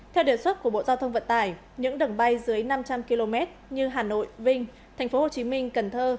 theo đề xuất của bộ giao thông vận tải những đường bay dưới năm trăm linh km như hà nội vinh tp hcm cần thơ